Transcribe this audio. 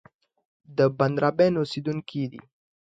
د بندرابن اوسېدونکی دی.